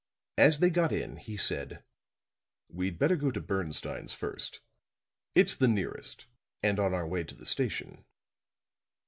As they got in, he said: "We'd better go to Bernstine's first. It's the nearest and on our way to the station."